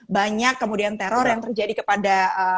banyak kemudian teror yang terjadi kepada